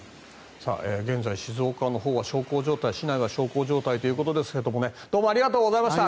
現在、静岡のほうは市内は小康状態ということですがどうもありがとうございました。